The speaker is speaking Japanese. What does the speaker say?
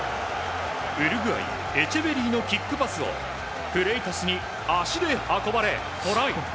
ウルグアイ、エチェベリーのキックパスをフレイタスに足で運ばれトライ。